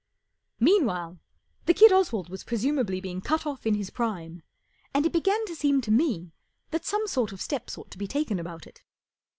Meanwhile, the kid Oswald was presumably being cut off in his prime, and it began to seem to me that some sort of steps ought to be taken about it.